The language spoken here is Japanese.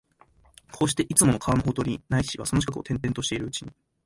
こうして、いつも川のほとり、ないしはその近くを転々としているうちに、